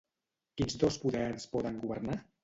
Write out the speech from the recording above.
Quins dos poders poden governar?